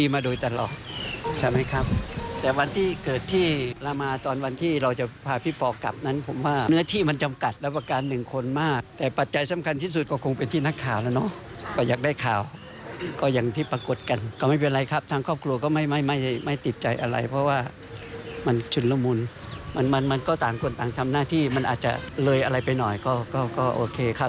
มันก็ต่างคนต่างทำหน้าที่มันอาจจะเลยอะไรไปหน่อยก็โอเคค่ะ